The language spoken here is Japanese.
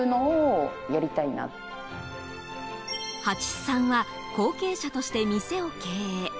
八須さんは後継者として店を経営。